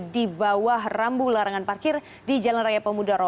di bawah rambu larangan parkir di jalan raya pemudoro